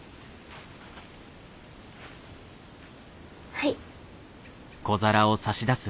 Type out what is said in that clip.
はい。